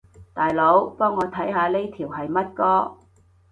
大佬，幫我看下呢條係乜歌